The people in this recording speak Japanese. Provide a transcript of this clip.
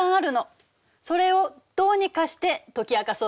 それをどうにかして解き明かそうとしているの。